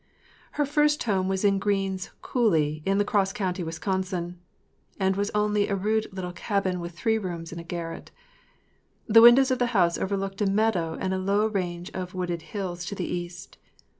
Her first home was in Greene’s Coolly, in La Crosse County, Wisconsin, and was only a rude little cabin with three rooms and a garret. The windows of the house overlooked a meadow and a low range of wooded hills to the east.